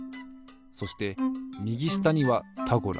そしてみぎしたには「タゴラ」。